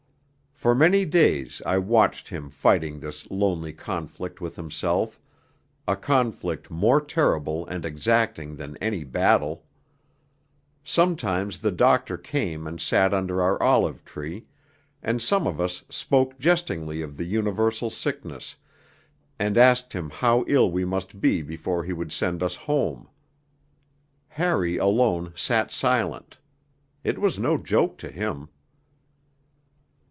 For many days I watched him fighting this lonely conflict with himself, a conflict more terrible and exacting than any battle. Sometimes the doctor came and sat under our olive tree, and some of us spoke jestingly of the universal sickness, and asked him how ill we must be before he would send us home. Harry alone sat silent; it was no joke to him.